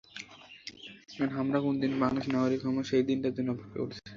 এখন হামরা কুনদিন বাংলাদেশের নাগরিক হমো, সেই দিনটার জন্য অপেক্ষা করছি।